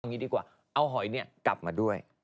งี้ดีกว่าเอาหอยกลับมาด้วย